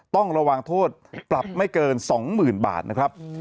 ต้องระวังโทษปรับไม่เกิน๒๐๐๐บาทนะครับ